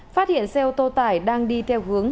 phát hiện xe ô tô tải đang đi theo hướng